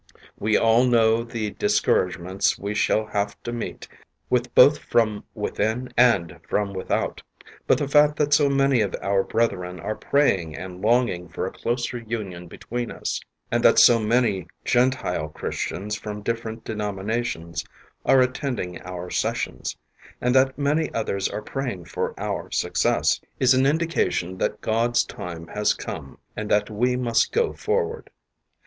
We all know the discouragements we shall have to meet with both from within and from without, "but the fact that so many of our brethren are praying and longing for a closer union between us, and that so many Gentile Chris tians from different denominations are attending our sessions, and that many others are praying for our success, is an iridicatiorj that God's time has come and that we must go forward.